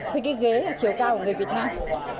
cái ghế là chiều cao của người việt nam